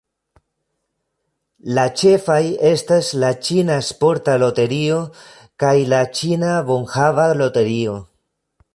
La ĉefaj estas la Ĉina Sporta Loterio kaj la Ĉina Bonhava Loterio.